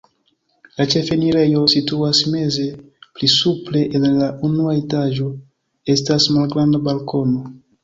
La ĉefenirejo situas meze, pli supre en la unua etaĝo estas malgranda balkono.